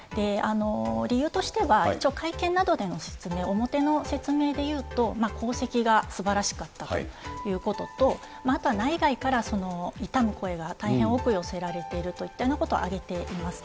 理由としては、一応会見などでの説明、表の説明で言うと、功績がすばらしかったということと、あとは内外から悼む声が大変多く寄せられているといったようなことを挙げています。